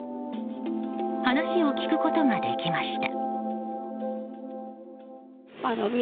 話を聞くことができました。